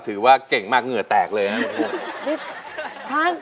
ถือว่าเก่งมากเหงื่อแตกเลยครับ